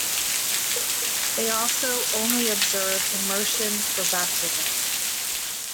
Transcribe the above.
They also only observe immersion for baptism.